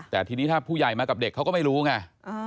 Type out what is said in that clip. แต่ทีนี้ถ้าผู้ใหญ่มากับเด็กเขาก็ไม่รู้ไง